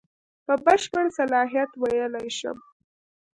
په بشپړ صلاحیت ویلای شم.